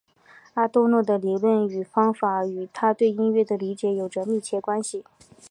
阿多诺的理论方法与他对音乐的理解有着密切联系。